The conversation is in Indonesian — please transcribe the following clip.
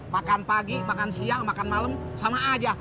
makan pagi makan siang makan malam sama aja